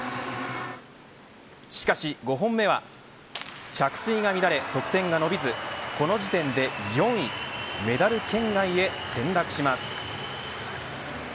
しかし、５本目は着水が乱れ得点が伸びずこの時点で４位メダル圏外へ転落します。